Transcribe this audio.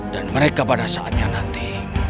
dan mereka pada saatnya nanti